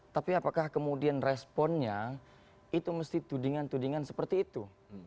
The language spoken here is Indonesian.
tapi apakah kemudian responnya itu mesti tudingan tudingan seperti itu